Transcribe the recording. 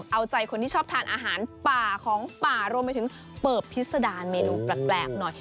เอาใจคนที่ชอบทานอาหารป่าของป่ารวมไปถึงเปิบพิษดารเมนูแปลกหน่อย